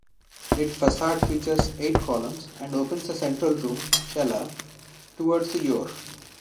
Its facade features eight columns and opens the central room ("cella") towards the Eure.